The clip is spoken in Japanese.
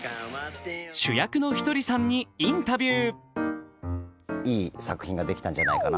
主役のひとりさんにインタビュー。